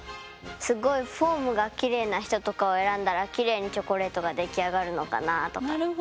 すごいフォームがきれいな人とかを選んだらきれいにチョコレートが出来上がるのかなあとか。